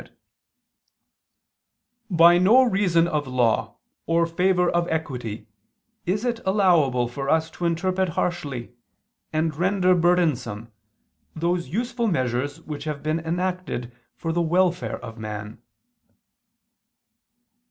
]: "By no reason of law, or favor of equity, is it allowable for us to interpret harshly, and render burdensome, those useful measures which have been enacted for the welfare of man."